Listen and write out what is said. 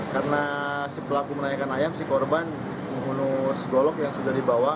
karena pelaku menanyakan ayam korban menggunakan golok yang sudah dibawa